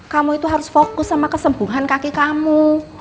kamu itu harus fokus sama kesembuhan kaki kamu